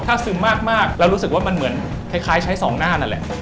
ถ้าซึมมากเรารู้สึกว่ามันเหมือนคล้ายใช้สองหน้านั่นแหละ